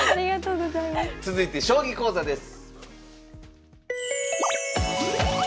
続いて将棋講座です。